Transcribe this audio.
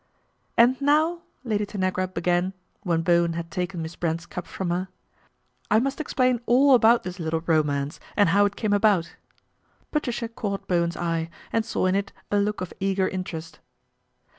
And now," Lady Tanagra began when Bowen d taken Miss Brent's cup from her. " I must lain all about this little romance and how it e about." Patricia caught Bowen's eye, and saw in it a ok of eager interest.